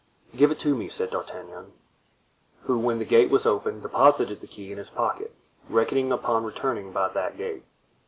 "Give it to me," said D'Artagnan, who when the gate was open deposited the key in his pocket, reckoning upon returning by that gate.